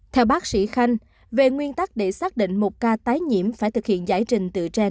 theo bác sĩ khanh về nguyên tắc để xác định một ca tái nhiễm phải thực hiện giải trình từ trên